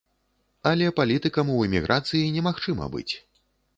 Але палітыкам у эміграцыі немагчыма быць.